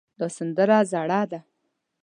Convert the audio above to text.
دا سندره زړه ده